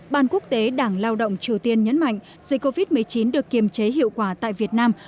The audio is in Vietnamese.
ban quốc tế đảng lao động triều tiên nhấn mạnh dịch covid một mươi chín được kiềm chế hiệu quả tại việt nam